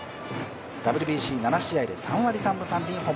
ＷＢＣ７試合で３割３分３厘。